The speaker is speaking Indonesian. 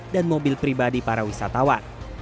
dan mobil pribadi para wisatawan